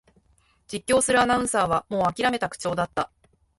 実況するアナウンサーはもうあきらめた口調だった